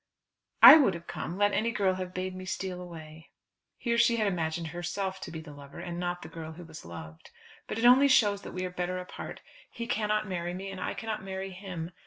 I would have come, let any girl have bade me to stay away!" Here she had imagined herself to be the lover, and not the girl who was loved. "But it only shows that we are better apart. He cannot marry me, and I cannot marry him.